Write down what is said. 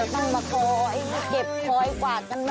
มันอะไรกันด้านกันหนาหน่อยค่ะ